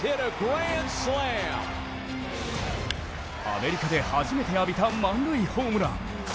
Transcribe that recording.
アメリカで初めて浴びた満塁ホームラン。